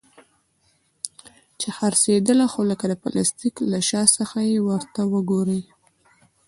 چې څرخېدله خو لکه د پلاستيک له شا څخه چې ورته وگورې.